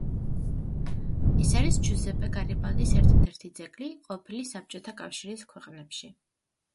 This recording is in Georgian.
ეს არის ჯუზეპე გარიბალდის ერთადერთი ძეგლი ყოფილი საბჭოთა კავშირის ქვეყნებში.